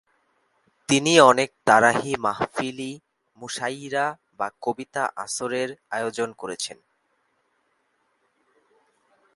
তিনি অনেক তারাহি মাহফিল ই মুশাইরা বা কবিতা আসরের আয়োজন করেছেন।